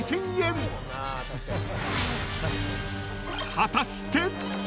［果たして？］